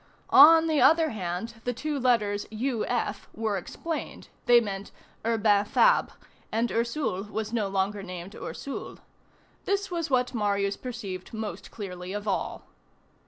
On the other hand, the two letters U. F. were explained; they meant Urbain Fabre; and Ursule was no longer named Ursule. This was what Marius perceived most clearly of all.